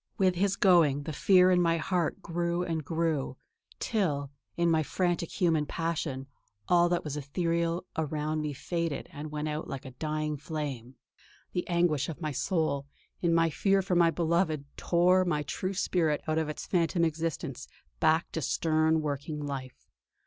With his going, the fear in my heart grew and grew; till, in my frantic human passion, all that was ethereal around me faded and went out like a dying flame.... The anguish of my soul, in my fear for my beloved, tore my true spirit out of its phantom existence back to stern working life....